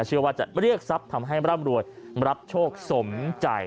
เชื่อว่าจะเรียกทรัพย์ทำให้ร่ำรวยรับโชคสมใจ